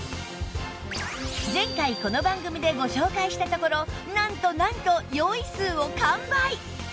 前回この番組でご紹介したところなんとなんと用意数を完売！